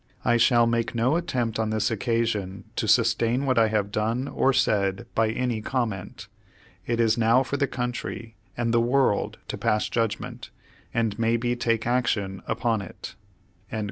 I shall make no attempt on this occasion to sustain what I have done or said by any comment. It is now for the country and the world to pass judgment, and maybe take action upon it."